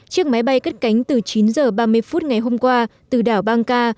chiếc máy bay cất cánh từ chín h ba mươi phút ngày hôm qua từ đảo bangk